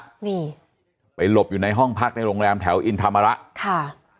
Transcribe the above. นี่ไปหลบอยู่ในห้องพักในโรงแรมแถวอินธรรมระค่ะ